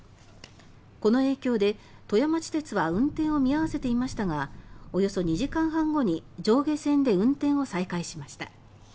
この影響で、富山地鉄は運転を見合わせていましたがおよそ２時間半後に上下線で運転再開しました。